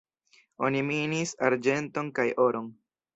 Oni minis arĝenton kaj oron.